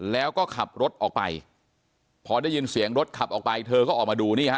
แล้วก็ขับรถออกไปพอได้ยินเสียงรถขับออกไปเธอก็ออกมาดูนี่ฮะ